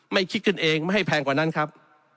คิดกันเองไม่ให้แพงกว่านั้นครับ